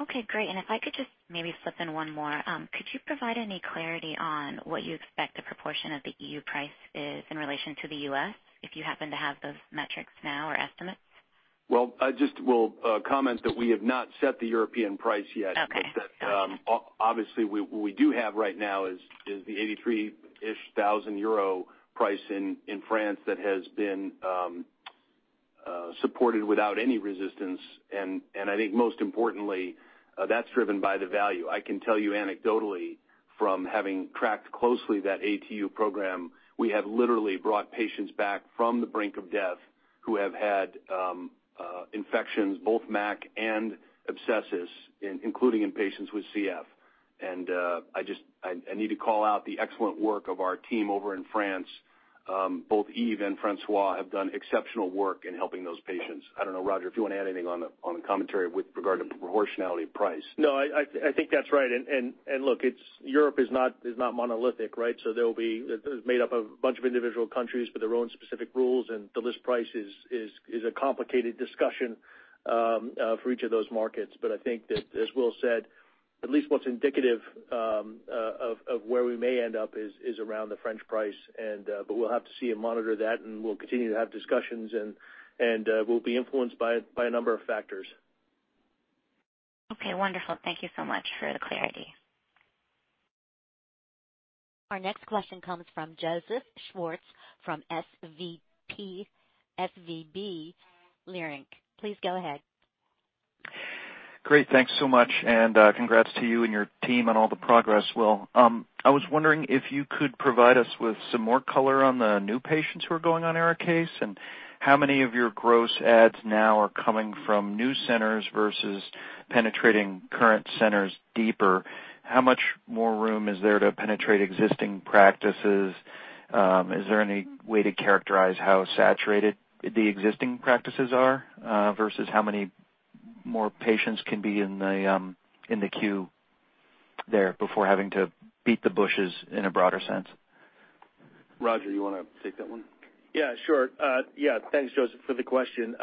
Okay, great. If I could just maybe slip in one more. Could you provide any clarity on what you expect the proportion of the EU price is in relation to the U.S., if you happen to have those metrics now or estimates? Well, I just will comment that we have not set the European price yet. Okay. That obviously what we do have right now is the 83-ish thousand euro price in France that has been supported without any resistance. I think most importantly, that's driven by the value. I can tell you anecdotally from having tracked closely that ATU program, we have literally brought patients back from the brink of death who have had infections, both MAC and abscesses, including in patients with CF. I need to call out the excellent work of our team over in France. Both Yves and Francois have done exceptional work in helping those patients. I don't know, Roger, if you want to add anything on the commentary with regard to proportionality of price. No, I think that's right. Look, Europe is not monolithic, right? It's made up of a bunch of individual countries with their own specific rules, and the list price is a complicated discussion for each of those markets. I think that, as Will said, at least what's indicative of where we may end up is around the French price. We'll have to see and monitor that, and we'll continue to have discussions, and we'll be influenced by a number of factors. Okay, wonderful. Thank you so much for the clarity. Our next question comes from Joseph Schwartz from SVB Leerink. Please go ahead. Great. Thanks so much, congrats to you and your team on all the progress, Will. I was wondering if you could provide us with some more color on the new patients who are going on ARIKAYCE, and how many of your gross adds now are coming from new centers versus penetrating current centers deeper? How much more room is there to penetrate existing practices? Is there any way to characterize how saturated the existing practices are versus how many more patients can be in the queue there before having to beat the bushes in a broader sense? Roger, you want to take that one? Thanks, Joseph, for the question.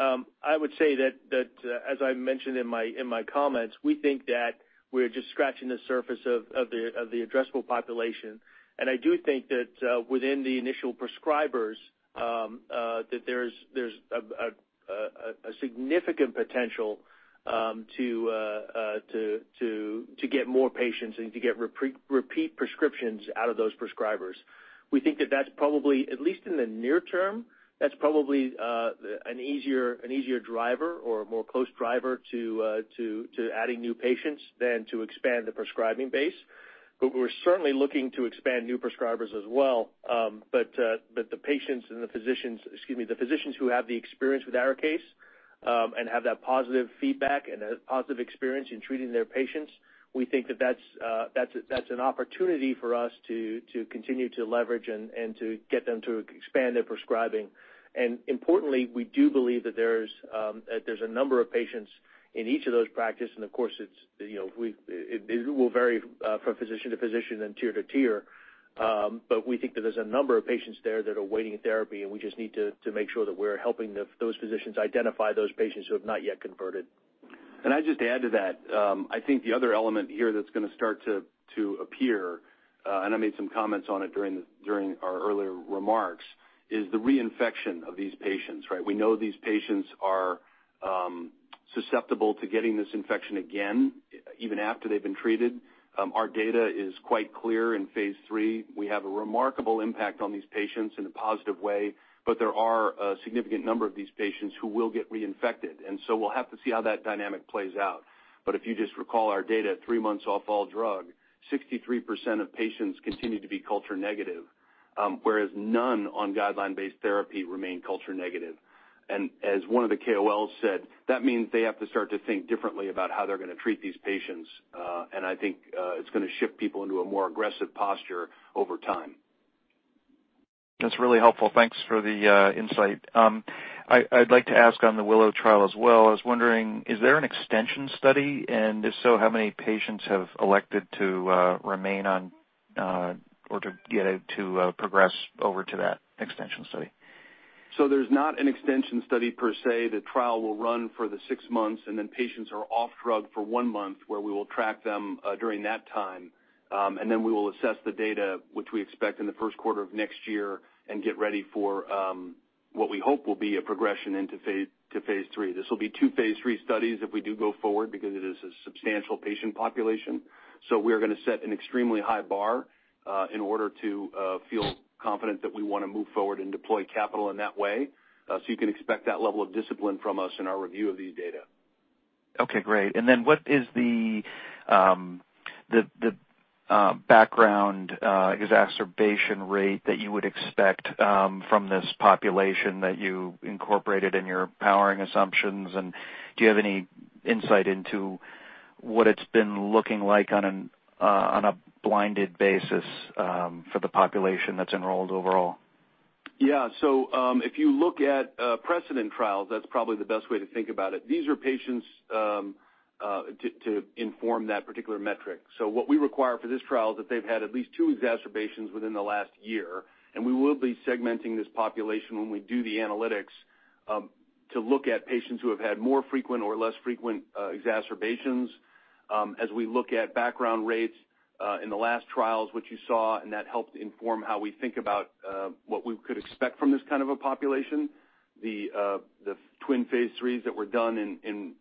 I would say that as I mentioned in my comments, we think that we're just scratching the surface of the addressable population. I do think that within the initial prescribers, that there's a significant potential to get more patients and to get repeat prescriptions out of those prescribers. We think that that's probably, at least in the near term, that's probably an easier driver or a more close driver to adding new patients than to expand the prescribing base. We're certainly looking to expand new prescribers as well. The physicians who have the experience with ARIKAYCE and have that positive feedback and a positive experience in treating their patients, we think that that's an opportunity for us to continue to leverage and to get them to expand their prescribing. Importantly, we do believe that there's a number of patients in each of those practices, and of course it will vary from physician to physician and tier to tier. We think that there's a number of patients there that are waiting therapy, and we just need to make sure that we're helping those physicians identify those patients who have not yet converted. I'd just add to that, I think the other element here that's going to start to appear, and I made some comments on it during our earlier remarks, is the reinfection of these patients, right? We know these patients are susceptible to getting this infection again, even after they've been treated. Our data is quite clear in phase III. We have a remarkable impact on these patients in a positive way, but there are a significant number of these patients who will get reinfected, and so we'll have to see how that dynamic plays out. If you just recall our data at 3 months off all drug, 63% of patients continue to be culture negative, whereas none on guideline-based therapy remain culture negative. As one of the KOLs said, that means they have to start to think differently about how they're going to treat these patients. I think it's going to shift people into a more aggressive posture over time. That's really helpful. Thanks for the insight. I'd like to ask on the WILLOW trial as well. I was wondering, is there an extension study, and if so, how many patients have elected to remain on or to progress over to that extension study? There's not an extension study per se. The trial will run for the six months, and then patients are off drug for one month, where we will track them during that time. We will assess the data, which we expect in the first quarter of next year and get ready for what we hope will be a progression into phase III. This will be two phase III studies if we do go forward because it is a substantial patient population. We are going to set an extremely high bar in order to feel confident that we want to move forward and deploy capital in that way. You can expect that level of discipline from us in our review of these data. Okay, great. What is the background exacerbation rate that you would expect from this population that you incorporated in your powering assumptions? Do you have any insight into what it's been looking like on a blinded basis for the population that's enrolled overall? Yeah. If you look at precedent trials, that is probably the best way to think about it. These are patients to inform that particular metric. What we require for this trial is that they have had at least two exacerbations within the last year, and we will be segmenting this population when we do the analytics to look at patients who have had more frequent or less frequent exacerbations. As we look at background rates in the last trials, which you saw, and that helped inform how we think about what we could expect from this kind of a population. The twin phase IIIs that were done in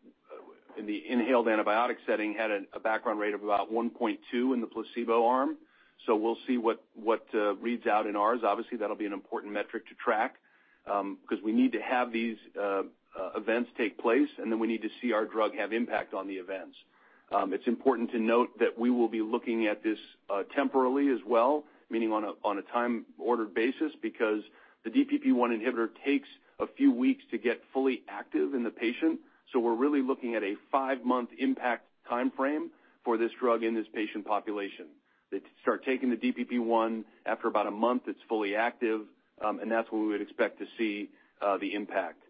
the inhaled antibiotic setting had a background rate of about 1.2 in the placebo arm, so we will see what reads out in ours. Obviously, that'll be an important metric to track because we need to have these events take place, and then we need to see our drug have impact on the events. It's important to note that we will be looking at this temporally as well, meaning on a time-ordered basis, because the DPP-1 inhibitor takes a few weeks to get fully active in the patient. We're really looking at a five-month impact timeframe for this drug in this patient population. They start taking the DPP-1. After about a month, it's fully active, and that's when we would expect to see the impact.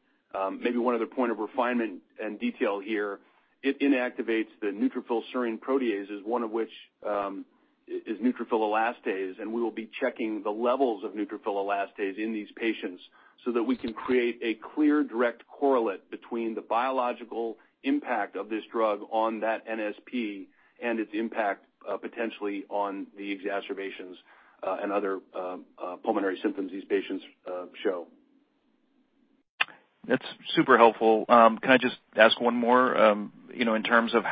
Maybe one other point of refinement and detail here, it inactivates the neutrophil serine protease one of which is neutrophil elastase, and we will be checking the levels of neutrophil elastase in these patients so that we can create a clear direct correlate between the biological impact of this drug on that NSP and its impact potentially on the exacerbations and other pulmonary symptoms these patients show. That's super helpful. Can I just ask one more? In terms of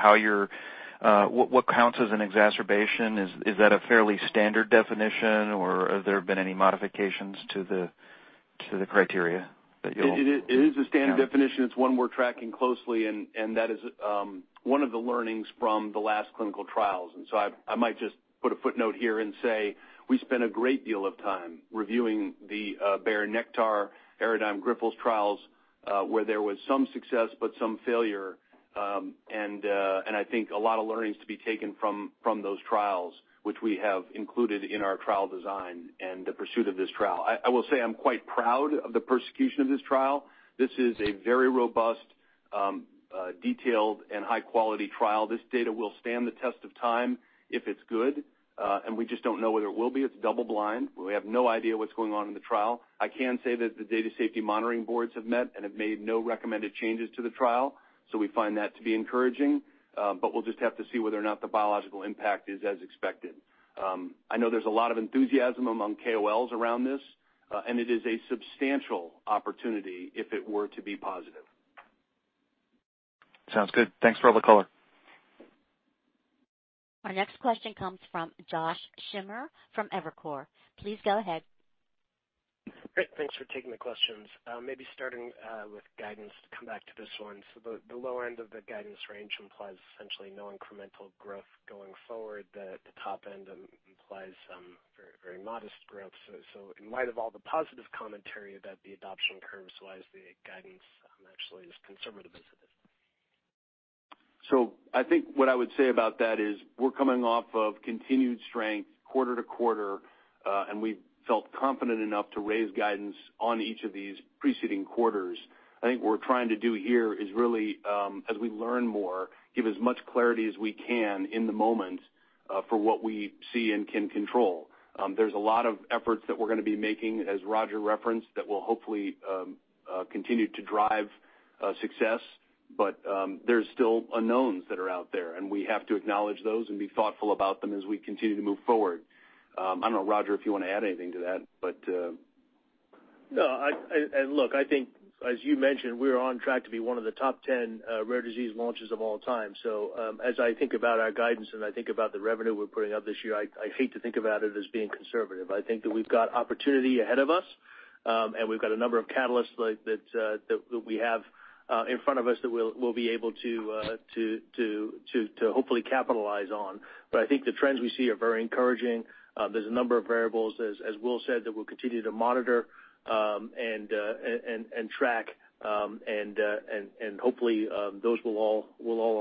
what counts as an exacerbation, is that a fairly standard definition or have there been any modifications to the criteria that you all- It is a standard definition. It's one we're tracking closely, and that is one of the learnings from the last clinical trials. I might just put a footnote here and say we spent a great deal of time reviewing the Bayer, Nektar, Aradigm Grifols trials where there was some success but some failure. I think a lot of learnings to be taken from those trials, which we have included in our trial design and the pursuit of this trial. I will say I'm quite proud of the execution of this trial. This is a very robust, detailed, and high-quality trial. This data will stand the test of time if it's good, and we just don't know whether it will be. It's double blind. We have no idea what's going on in the trial. I can say that the data safety monitoring boards have met and have made no recommended changes to the trial. We find that to be encouraging, but we'll just have to see whether or not the biological impact is as expected. I know there's a lot of enthusiasm among KOLs around this, and it is a substantial opportunity if it were to be positive. Sounds good. Thanks for all the color. Our next question comes from Josh Schimmer from Evercore. Please go ahead. Great. Thanks for taking the questions. Maybe starting with guidance to come back to this one. The low end of the guidance range implies essentially no incremental growth going forward. The top end implies some very modest growth. In light of all the positive commentary about the adoption curves, why is the guidance actually as conservative as it is? I think what I would say about that is we're coming off of continued strength quarter to quarter, and we felt confident enough to raise guidance on each of these preceding quarters. I think what we're trying to do here is really as we learn more, give as much clarity as we can in the moment for what we see and can control. There's a lot of efforts that we're going to be making, as Roger referenced, that will hopefully continue to drive success. There's still unknowns that are out there, and we have to acknowledge those and be thoughtful about them as we continue to move forward. I don't know, Roger, if you want to add anything to that? No. Look, I think, as you mentioned, we are on track to be one of the top 10 rare disease launches of all time. As I think about our guidance and I think about the revenue we're putting up this year, I hate to think about it as being conservative. I think that we've got opportunity ahead of us, and we've got a number of catalysts that we have in front of us that we'll be able to hopefully capitalize on. I think the trends we see are very encouraging. There's a number of variables, as Will said, that we'll continue to monitor and track, and hopefully, those will all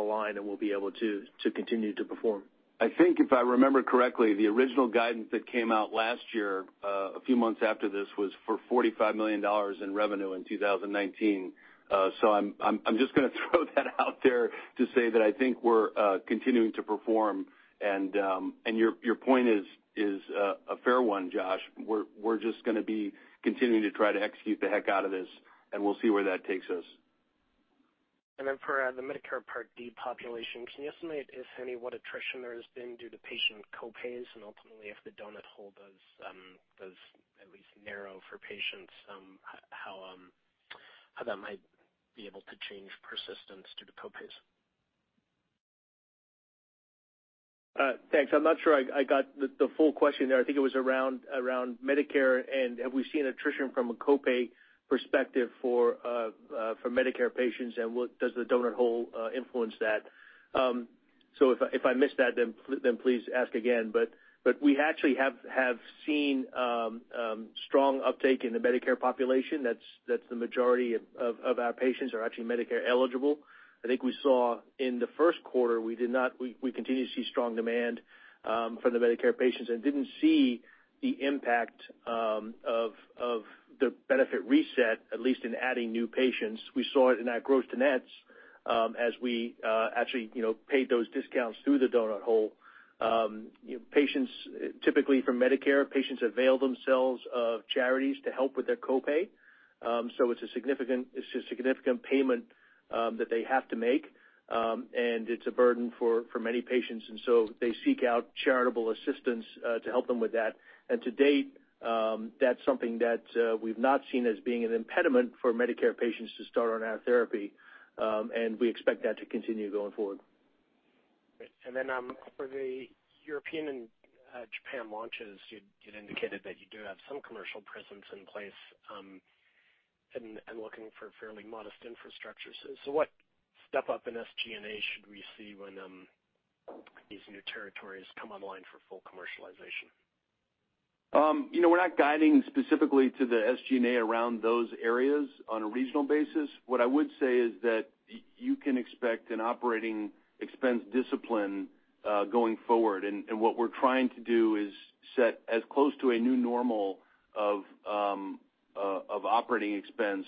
align, and we'll be able to continue to perform. I think if I remember correctly, the original guidance that came out last year, a few months after this, was for $45 million in revenue in 2019. I'm just going to throw that out there to say that I think we're continuing to perform, and your point is a fair one, Josh. We're just going to be continuing to try to execute the heck out of this, and we'll see where that takes us. Then for the Medicare Part D population, can you estimate, if any, what attrition there has been due to patient co-pays and ultimately if the donut hole does at least narrow for patients, how that might be able to change persistence due to co-pays? Thanks. I'm not sure I got the full question there. I think it was around Medicare and have we seen attrition from a co-pay perspective for Medicare patients, and does the donut hole influence that? If I missed that, then please ask again. We actually have seen strong uptake in the Medicare population. The majority of our patients are actually Medicare eligible. I think we saw in the first quarter, we continue to see strong demand from the Medicare patients and didn't see the impact of the benefit reset, at least in adding new patients. We saw it in our gross to nets as we actually paid those discounts through the donut hole. Typically, for Medicare, patients avail themselves of charities to help with their co-pay. It's a significant payment that they have to make, and it's a burden for many patients, and so they seek out charitable assistance to help them with that. To date, that's something that we've not seen as being an impediment for Medicare patients to start on our therapy. We expect that to continue going forward. Great. For the European and Japan launches, you'd indicated that you do have some commercial presence in place and looking for fairly modest infrastructure. What step up in SG&A should we see when these new territories come online for full commercialization? We're not guiding specifically to the SG&A around those areas on a regional basis. What I would say is that you can expect an operating expense discipline going forward. What we're trying to do is set as close to a new normal of operating expense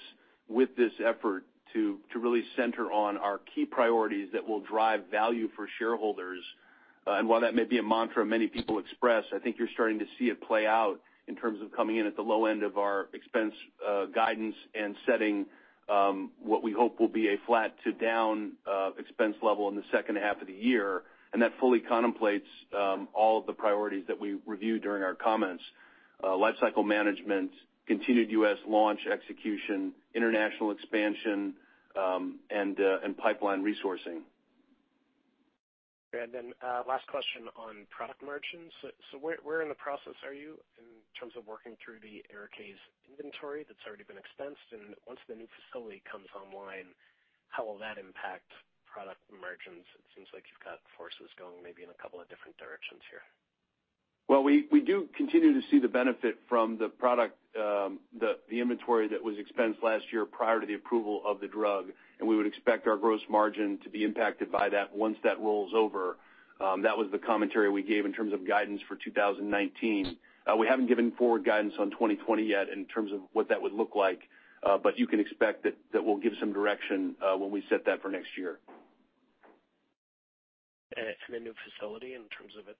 with this effort to really center on our key priorities that will drive value for shareholders. While that may be a mantra many people express, I think you're starting to see it play out in terms of coming in at the low end of our expense guidance and setting what we hope will be a flat to down expense level in the second half of the year. That fully contemplates all of the priorities that we reviewed during our comments. Lifecycle management, continued U.S. launch execution, international expansion, and pipeline resourcing. Last question on product margins. Where in the process are you in terms of working through the ARIKAYCE inventory that's already been expensed? Once the new facility comes online, how will that impact product margins? It seems like you've got forces going maybe in a couple of different directions here. Well, we do continue to see the benefit from the inventory that was expensed last year prior to the approval of the drug, and we would expect our gross margin to be impacted by that once that rolls over. That was the commentary we gave in terms of guidance for 2019. We haven't given forward guidance on 2020 yet in terms of what that would look like. You can expect that we'll give some direction when we set that for next year. From the new facility in terms of its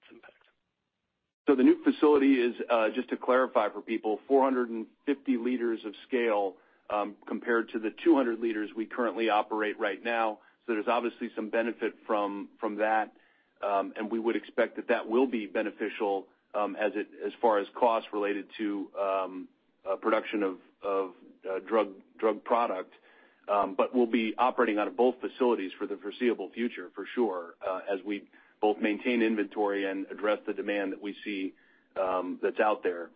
impact? The new facility is, just to clarify for people, 450 liters of scale compared to the 200 liters we currently operate right now. There's obviously some benefit from that. We would expect that that will be beneficial as far as costs related to production of drug product. We'll be operating out of both facilities for the foreseeable future for sure, as we both maintain inventory and address the demand that we see that's out there.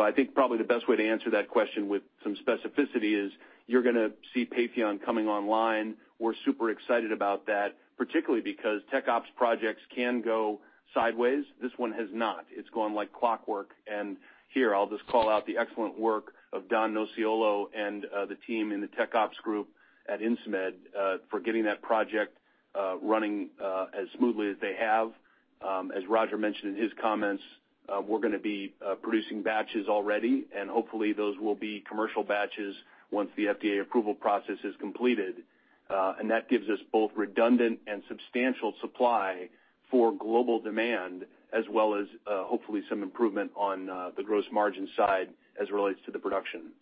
I think probably the best way to answer that question with some specificity is you're going to see Papion coming online. We're super excited about that, particularly because tech ops projects can go sideways. This one has not. It's gone like clockwork. Here I'll just call out the excellent work of Don Nociolo and the team in the tech ops group at Insmed for getting that project running as smoothly as they have. As Roger mentioned in his comments, we're going to be producing batches already, and hopefully those will be commercial batches once the FDA approval process is completed. That gives us both redundant and substantial supply for global demand, as well as hopefully some improvement on the gross margin side as relates to the production.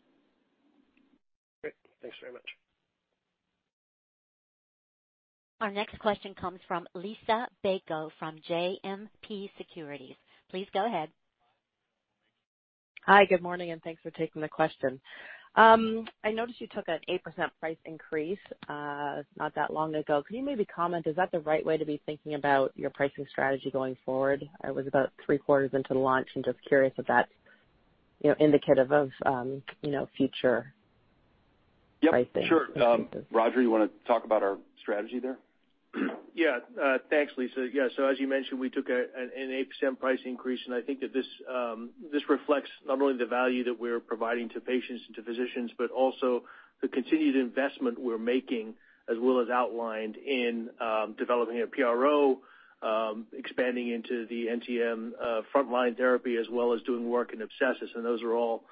Great. Thanks very much. Our next question comes from Liisa Bayko from JMP Securities. Please go ahead. Hi, good morning, thanks for taking the question. I noticed you took an 8% price increase not that long ago. Can you maybe comment, is that the right way to be thinking about your pricing strategy going forward? It was about three-quarters into launch. I'm just curious if that's indicative of future pricing. Yep, sure. Roger, you want to talk about our strategy there? Thanks, Liisa. As you mentioned, we took an 8% price increase, and I think that this reflects not only the value that we're providing to patients and to physicians, but also the continued investment we're making as Will has outlined in developing a PRO, expanding into the NTM frontline therapy, as well as doing work in M. abscessus. Those are all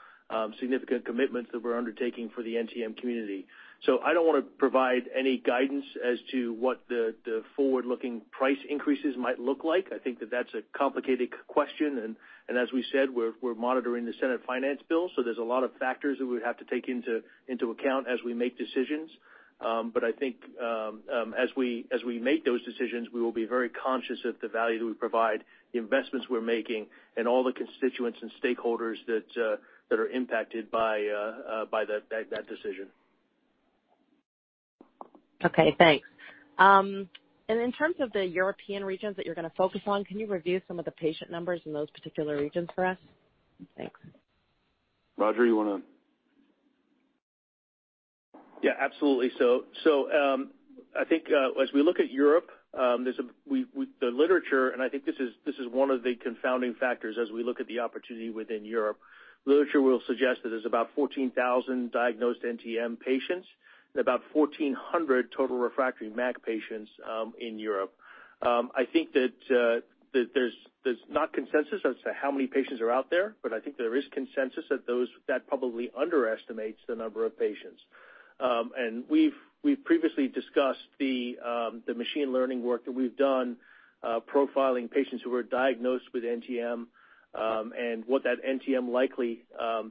significant commitments that we're undertaking for the NTM community. I don't want to provide any guidance as to what the forward-looking price increases might look like. I think that that's a complicated question, and as we said, we're monitoring the Senate finance bill. There's a lot of factors that we would have to take into account as we make decisions. I think as we make those decisions, we will be very conscious of the value that we provide, the investments we're making, and all the constituents and stakeholders that are impacted by that decision. Okay, thanks. In terms of the European regions that you're going to focus on, can you review some of the patient numbers in those particular regions for us? Thanks. Roger, you want to Yeah, absolutely. I think as we look at Europe, the literature, and I think this is one of the confounding factors as we look at the opportunity within Europe. Literature will suggest that there's about 14,000 diagnosed NTM patients and about 1,400 total refractory MAC patients in Europe. I think that there's not consensus as to how many patients are out there, but I think there is consensus that probably underestimates the number of patients. We've previously discussed the machine learning work that we've done profiling patients who are diagnosed with NTM, and what that NTM likely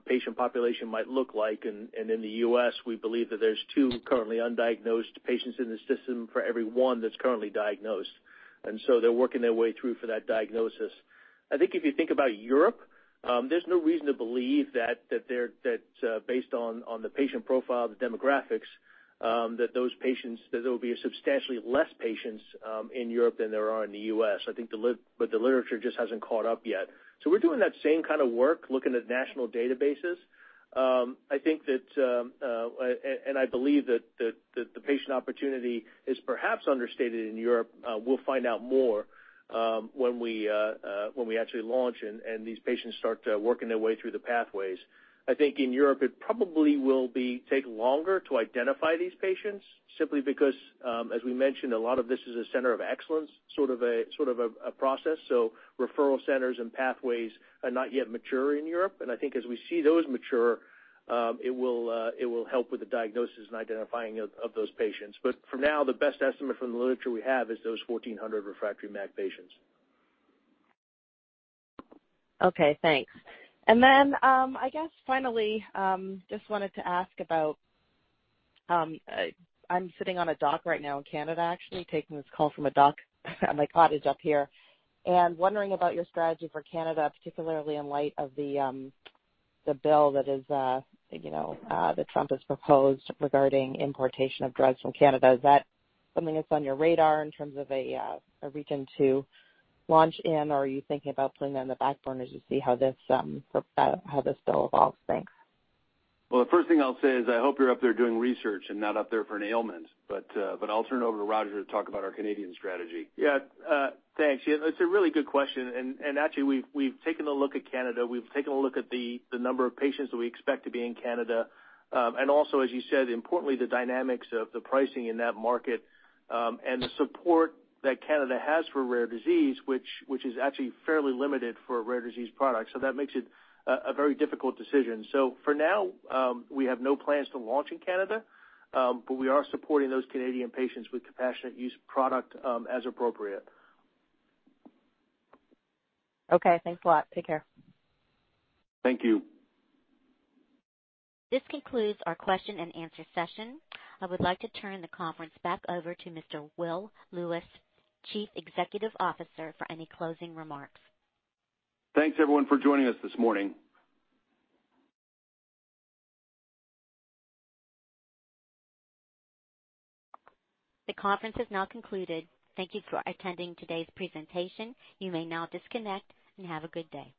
patient population might look like. In the U.S., we believe that there's two currently undiagnosed patients in the system for every one that's currently diagnosed. They're working their way through for that diagnosis. I think if you think about Europe, there's no reason to believe that based on the patient profile, the demographics, that there will be substantially less patients in Europe than there are in the U.S. I think the literature just hasn't caught up yet. We're doing that same kind of work looking at national databases. I think that, I believe that the patient opportunity is perhaps understated in Europe. We'll find out more when we actually launch and these patients start working their way through the pathways. I think in Europe, it probably will take longer to identify these patients simply because, as we mentioned, a lot of this is a center of excellence sort of a process. Referral centers and pathways are not yet mature in Europe. I think as we see those mature, it will help with the diagnosis and identifying of those patients. For now, the best estimate from the literature we have is those 1,400 refractory MAC patients. Okay, thanks. Then, I guess finally, just wanted to ask about I'm sitting on a dock right now in Canada, actually, taking this call from a dock at my cottage up here. Wondering about your strategy for Canada, particularly in light of the bill that Trump has proposed regarding importation of drugs from Canada. Is that something that's on your radar in terms of a region to launch in, or are you thinking about putting that on the back burner to see how this bill evolves? Thanks. Well, the first thing I'll say is I hope you're up there doing research and not up there for an ailment. I'll turn it over to Roger to talk about our Canadian strategy. Yeah, thanks. It's a really good question, actually, we've taken a look at Canada. We've taken a look at the number of patients that we expect to be in Canada. Also, as you said, importantly, the dynamics of the pricing in that market and the support that Canada has for rare disease, which is actually fairly limited for a rare disease product. That makes it a very difficult decision. For now, we have no plans to launch in Canada, but we are supporting those Canadian patients with compassionate use of product as appropriate. Okay, thanks a lot. Take care. Thank you. This concludes our question and answer session. I would like to turn the conference back over to Mr. Will Lewis, Chief Executive Officer, for any closing remarks. Thanks, everyone, for joining us this morning. The conference has now concluded. Thank you for attending today's presentation. You may now disconnect. Have a good day.